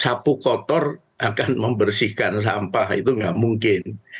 sapu kotor akan membersihkan sampah itu nggak mungkin